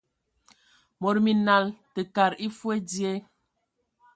Mod minal, tə kad e foe dzie.